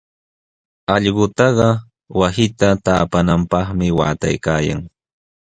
Allqutaqa wasita taapananpaqmi waataykaayan.